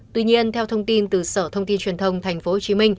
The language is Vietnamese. tuy nhiên theo thông tin từ sở thông tin truyền thông tp hcm